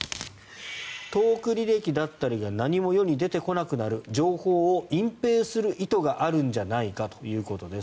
トーク履歴だったりが何も世に出てこなくなる情報を隠ぺいする意図があるんじゃないかということです。